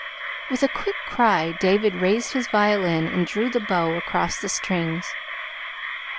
With a quick cry David raised his violin and drew the bow across the strings.